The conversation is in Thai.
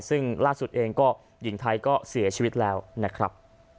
ซึ่งล่าสุดเองก็หญิงไทยก็เสียชีวิตแล้วนะครับ